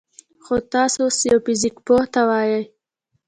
خو تاسو اوس يوه فزيك پوه ته ووايئ: